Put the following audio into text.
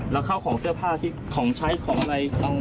แล้วข้าวของเสื้อผ้าที่ของใช้ของอะไร